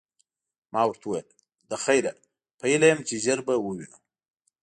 ما ورته وویل: له خیره، په هیله یم چي ژر به ووینو.